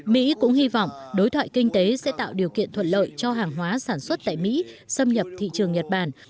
mỹ cũng hy vọng đối thoại kinh tế sẽ tạo điều kiện thuận lợi cho hàng hóa sản xuất tại mỹ xâm nhập thị trường nhật bản